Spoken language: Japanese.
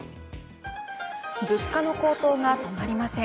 物価の高騰が止まりません。